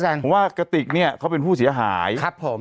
เพราะว่ากระติกเนี่ยเขาเป็นผู้เสียหายครับผม